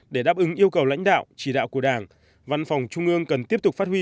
để đáp ứng yêu cầu lãnh đạo chỉ đạo của đảng văn phòng trung ương cần tiếp tục phát huy